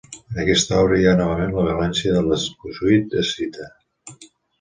En aquesta obra hi ha novament la violència de la Suite escita.